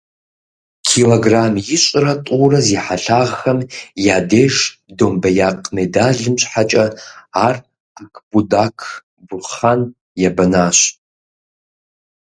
Килограмм ищӀрэ тӀурэ зи хьэлъагъхэм я деж домбеякъ медалым щхьэкӀэ ар Акбудак Бурхъан ебэнащ.